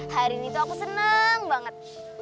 hari ini tuh aku senang banget